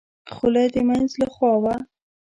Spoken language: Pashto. خوله د مينځ له خوا وه.